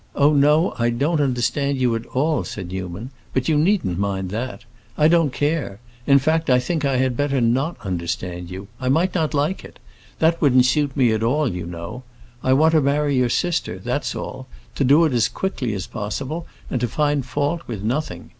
"Oh no, I don't understand you at all," said Newman. "But you needn't mind that. I don't care. In fact, I think I had better not understand you. I might not like it. That wouldn't suit me at all, you know. I want to marry your sister, that's all; to do it as quickly as possible, and to find fault with nothing.